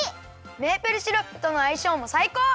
メープルシロップとのあいしょうもさいこう！